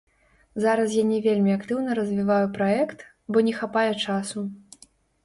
Зараз я не вельмі актыўна развіваю праект, бо не хапае часу.